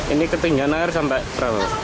ini ketinggian air sampai berapa